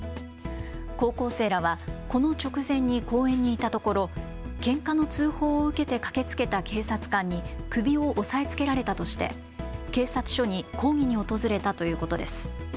高校生らはこの直前に公園にいたところ、けんかの通報を受けて駆けつけた警察官に首を押さえつけられたとして警察署に抗議に訪れたということです。